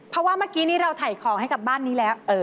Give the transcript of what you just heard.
เพราะว่าเมื่อกี้นี้เราถ่ายของให้กับบ้านนี้แล้ว